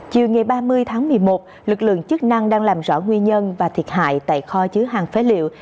chiều ngày ba mươi tháng một mươi một lực lượng chức năng đang làm rõ nguyên nhân và thiệt hại tại kho chứa hàng phế liệu